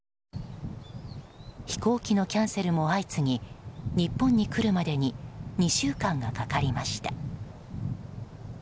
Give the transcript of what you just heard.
飛行機のキャンセルも相次ぎ日本に来るまでに２週間がかかりました。